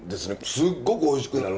すっごくおいしくなる。